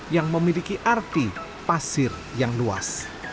yang memiliki arti pasir yang luas